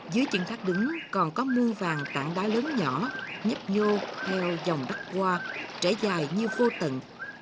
dưới chừng thác đứng còn có mưa vàng tảng đá lớn nhỏ nhấp nhô theo dòng đất qua trễ dài như vô tận